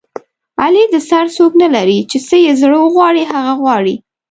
علي د سر څوک نه لري چې څه یې زړه و غواړي هغه غواړي.